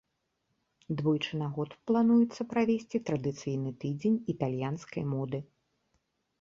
Двойчы на год плануецца правесці традыцыйны тыдзень італьянскай моды.